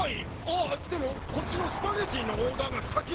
あっでもこっちのスパゲティのオーダーが先です。